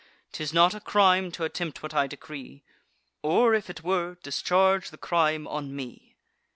'Tis not a crime t' attempt what I decree; Or, if it were, discharge the crime on me."